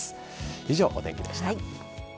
以上、お天気でした。